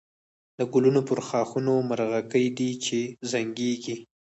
د گلونو پر ښاخونو مرغکۍ دی چی زنگېږی